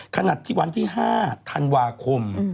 ขณะที่วันที่๕ธันวาคม